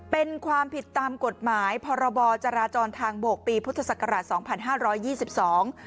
เป็นความผิดตามกฎหมายพรบจราจรทางบกปีพุทธศักราชสองพันห้าร้อยยี่สิบสอง